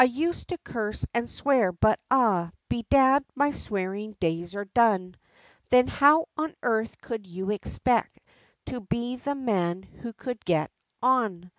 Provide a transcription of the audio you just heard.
"I used to curse and swear, but, ah, bedad, my swearing days are done!" "Then how on earth could you expect to be the man who could get on?"